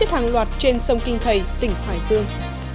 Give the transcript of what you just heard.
cá chết hàng loạt trên sông kinh thầy tỉnh hoài dương